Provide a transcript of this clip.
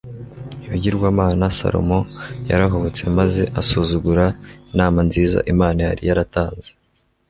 ibigirwamana, salomo yarahubutse maze asuzugura inama nziza imana yari yaratanze